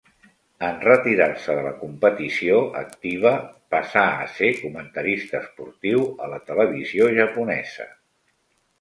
En retirar-se de la competició activa passà a ser comentarista esportiu a la televisió japonesa.